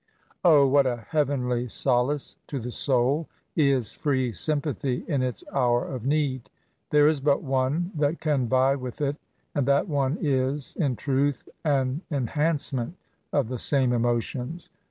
O! what a heavenly solace to the soul is free sympathy in its hour of need ! There is but one that can vie with it; and that one is^ in truths an enhancement of the same emotions.